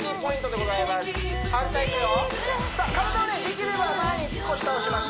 できれば前に少し倒します